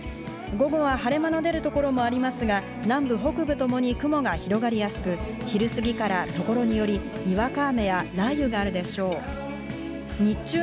午後は晴れ間の出る所もありますが、南部・北部ともに雲が広がりやすく、昼過ぎから所によりにわか雨や雷雨があるでしょう。